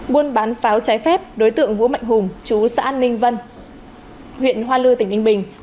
buôn bán pháo trái phép đối tượng vũ mạnh hùng chú xã ninh vân huyện hoa lư tỉnh ninh bình